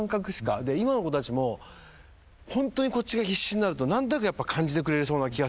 で今の子たちもホントにこっちが必死になると何となく感じてくれそうな気がする。